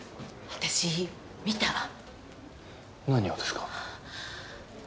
私見たわ何をですか？